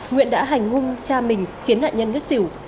nguyện đã hành hung cha mình khiến nạn nhân rất xỉu